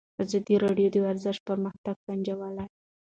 ازادي راډیو د ورزش پرمختګ سنجولی.